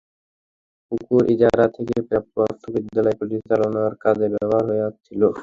পুকুর ইজারা থেকে প্রাপ্ত অর্থ বিদ্যালয় পরিচালনার কাজে ব্যবহার হয়ে আসছিল।